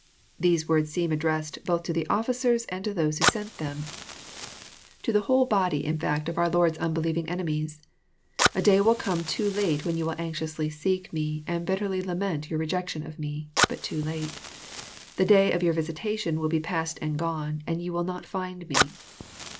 ] These words seem addressed both to the officers and to those who sent them,— to JOHN, CHAP. VII. 37 the whole body, In fact, of our Lord's nnbelievlng enemies :—•» A day will come too late, when you will anxiously seels me, and bitterly lament your rejection of me, but too late. The day of your visitation will be past and gone, and you will not find me."